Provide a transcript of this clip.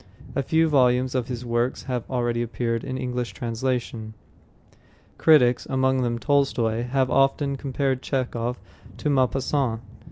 A few volumes of his works have already appeared in English translation. Critics, among them Tolstoy, have often compared Chekhov to Maupassant.